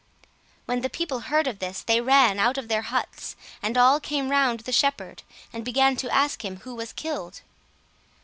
When the people heard of this they ran out of their huts, and all came round the shepherd and began to ask him who was killed.